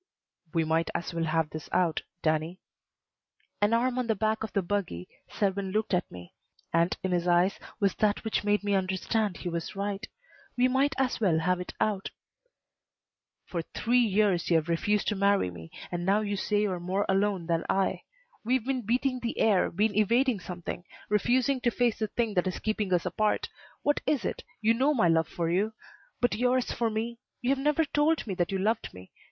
"We might as well have this out, Danny." An arm on the back of the buggy, Selwyn looked at me, and in his eyes was that which made me understand he was right. We might as well have it out. "For three years you have refused to marry me, and now you say you are more alone than I. We've been beating the air, been evading something; refusing to face the thing that is keeping us apart. What is it? You know my love for you. But yours for me You have never told me that you loved me.